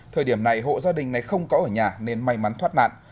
thời điểm này hộ gia đình này không có ở nhà nên may mắn thoát nạn